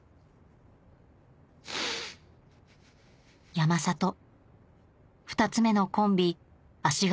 山里２つ目のコンビ足軽